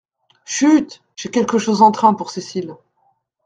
Chut !… j’ai quelque chose en train pour Cécile.